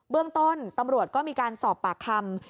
เรื่องต้นตำรวจก็มีการสอบปากคำ